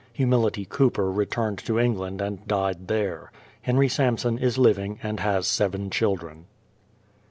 Humility Cooper returned to England and died there. Henry Samson is living and has seven children.